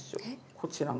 こちらの。